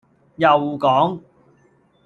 又講